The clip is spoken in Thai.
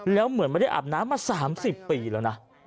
แล้วเหมือนไม่ได้อาบน้ำมา๓๐ปีแล้วนะ